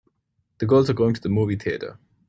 The girls are going to the movie theater.